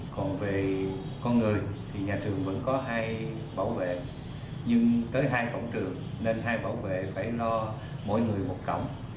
còn về con người thì nhà trường vẫn có hai bảo vệ nhưng tới hai cổng trường nên hai bảo vệ phải no mỗi người một cổng